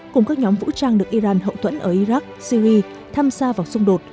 cùng các nhóm vũ trang được iran hậu thuẫn ở iraq syri tham gia vào xung đột